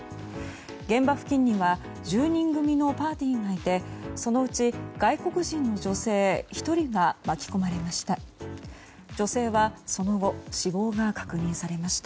現場付近には１０人組のパーティーがいてそのうち、外国人の女性１人が巻き込まれました。